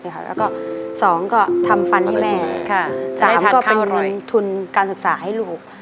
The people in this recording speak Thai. แล้วก็๒ก็ทำฟันให้แม่๓ก็เป็นทุนการศึกษาให้ลูก